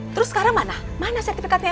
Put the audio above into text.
terus sekarang mana mana sertifikatnya